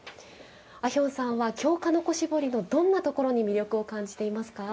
アヒョンさんは京鹿の子絞りのどんなところに魅力を感じていますか？